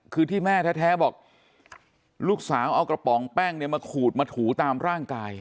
คือที่แม่แท้บอกลูกสาวเอากระป๋องแป้งเนี่ยมาขูดมาถูตามร่างกาย